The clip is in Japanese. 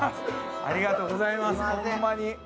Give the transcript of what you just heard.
ありがとうございます、ほんまに。